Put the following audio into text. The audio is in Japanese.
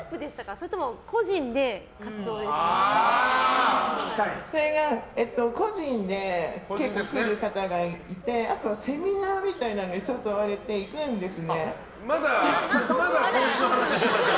それとも個人で個人で来る方がいてあとセミナーみたいなのに誘われて行くんですね。